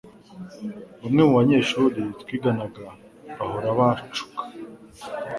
Bamwe mubanyeshuri twiganaga bahora banshuka.